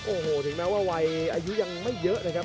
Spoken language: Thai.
โอ้โหถึงแม้ว่าวัยอายุยังไม่เยอะนะครับ